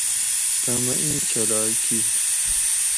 تامہ ایں چھلائ کیِر